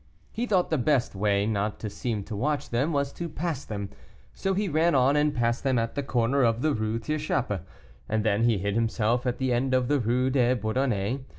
He thought the best way not to seem to watch them was to pass them; so he ran on, and passed them at the corner of the Rue Tirechappe, and then hid himself at the end of the Rue des Bourdonnais.